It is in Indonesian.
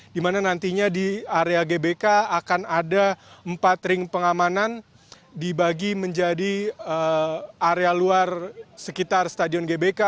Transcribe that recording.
di mana nantinya di area gbk akan ada empat ring pengamanan dibagi menjadi area luar sekitar stadion gbk